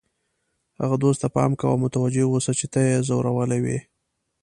هغه دوست ته پام کوه او متوجه اوسه چې تا یې ځورولی وي.